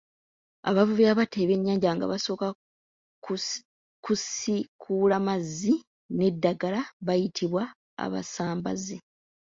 Abavubi abatta ebyennyanja nga basooka kusiikuula mazzi n'eddagala bayitibwa abasambazzi.